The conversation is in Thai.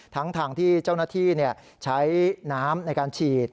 ทั้งทางที่เจ้าหน้าที่ใช้น้ำในการฉีด